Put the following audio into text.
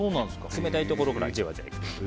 冷たいところからじわじわいくといいです。